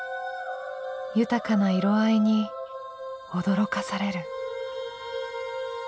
豊かな色合いに驚かされる。